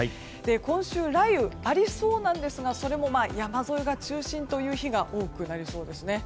今週、雷雨ありそうなんですがそれも山沿いが中心という日が多くなりそうですね。